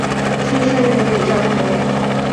出生于尾张国。